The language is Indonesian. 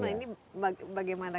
nah ini bagaimana